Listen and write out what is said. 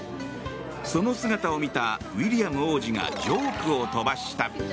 その姿を見たウィリアム王子がジョークを飛ばした。